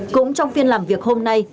cũng trong phiên làm việc hôm nay